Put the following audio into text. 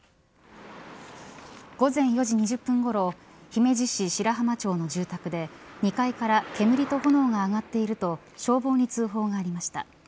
午前４時２０分ごろ姫路市白浜町の住宅で２階から煙と炎が上がっていると消防に通報がありました。